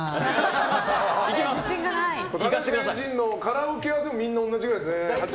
高橋名人のカラオケはみんな同じくらいですね。